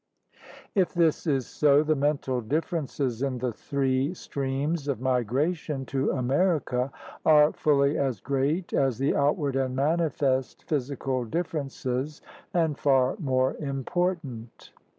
If this is so, the mental differences in the three streams of migration to America are fully as great as the outward and manifest physical differ ences and far more important.